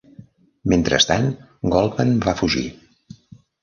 Mentrestant, Goldman va fugir.